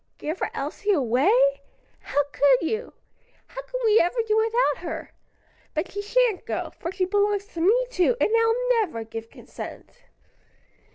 give our Elsie away? how could you? how can we ever do without her? But she shan't go, for she belongs to me too, and I'll never give consent!"